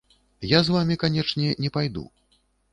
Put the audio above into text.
Я з вамі, канечне, не пайду.